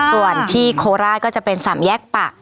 ส่วนที่ขอราดก็จะเป็นสำแยกปก